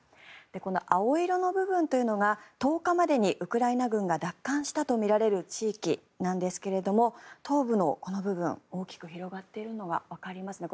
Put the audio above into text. この青色の部分というのが１０日までにウクライナ軍が奪還したとみられる地域なんですが東部のこの部分大きく広がっているのがわかりますね。